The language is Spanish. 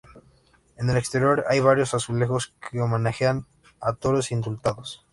En el exterior hay varios azulejos que homenajean a toros indultados.